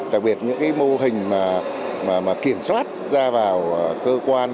đặc biệt những mô hình kiểm soát ra vào cơ quan